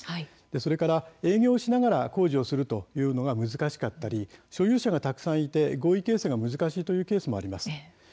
それから利用しながら工事をするのが難しかったり所有者がたくさんいて合意形成が難しいケースもあります。